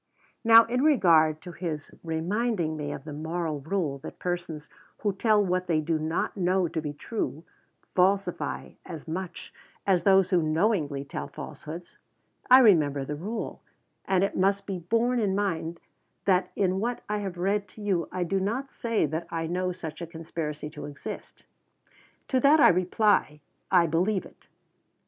Now, in regard to his reminding me of the moral rule that persons who tell what they do not know to be true, falsify as much as those who knowingly tell falsehoods. I remember the rule, and it must be borne in mind that in what I have read to you, I do not say that I know such a conspiracy to exist. To that I reply, I believe it.